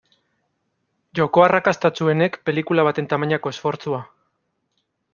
Joko arrakastatsuenek pelikula baten tamainako esfortzua.